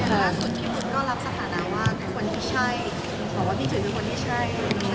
แล้วล่าสุดที่พุทธก็รับสถานะว่าคนที่ใช่หรือบอกว่าพี่จุ๊ยเป็นคนที่ใช่